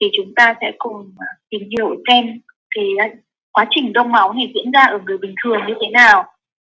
chúng ta sẽ cùng tìm hiểu thêm quá trình đong máu này diễn ra ở người bình thường như thế nào